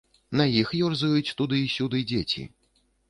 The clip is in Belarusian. На іх ёрзаюць туды і сюды дзеці.